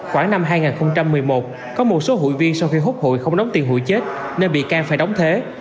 khoảng năm hai nghìn một mươi một có một số hụi viên sau khi hút hụi không đóng tiền hụi chết nên bị can phải đóng thế